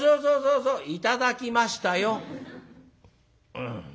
「うん。